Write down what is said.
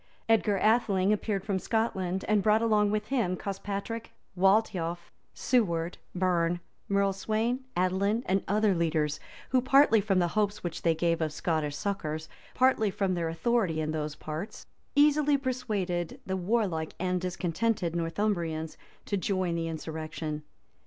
Edgar Atheling appeared from Scotland, and brought along with him Cospatric, Waltheof, Siward, Bearne, Merleswain, Adelin, and other leaders, who, partly from the hopes which they gave of Scottish succors, partly from their authority in those parts, easily persuaded the warlike and discontented Northumbrians to join the insurrection.